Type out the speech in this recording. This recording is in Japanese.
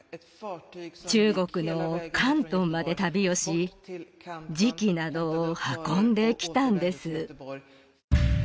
中国の広東まで旅をし磁器などを運んできたんです